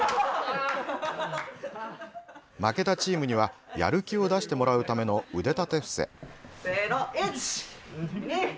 負けたチームにはやる気を出してもらうための腕立て伏せ。